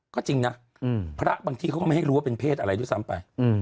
ก็จริงนะพระบางที่เขาก็ไม่ให้รู้ว่าเป็นเพศอะไรด้วยซ้ำไป